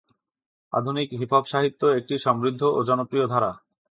আধুনিক হিপ-হপ সাহিত্য একটি সমৃদ্ধ ও জনপ্রিয় ধারা।